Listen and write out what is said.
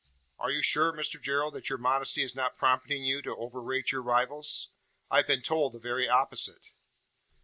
"Are you sure, Mr Gerald, that your modesty is not prompting you to overrate your rivals? I have been told the very opposite."